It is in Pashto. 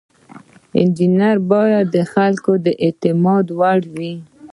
انجینر باید د خلکو د اعتماد وړ وي.